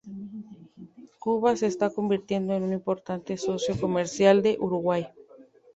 Cuba se está convirtiendo en un importante socio comercial de Uruguay.